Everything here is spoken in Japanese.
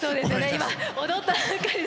今踊ったばっかりで。